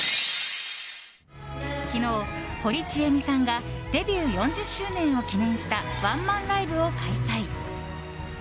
昨日、堀ちえみさんがデビュー４０周年を記念したワンマンライブを開催。